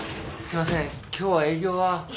すいません今日は営業は。